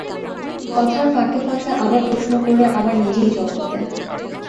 কথার ফাঁকে-ফোঁকে আবার প্রশ্ন করে, আবার নিজেই জবাব দেয়।